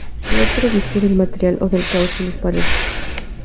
Le he provisto del material o del caos, si les parece.